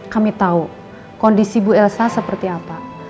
kami tahu kondisi bu elsa seperti apa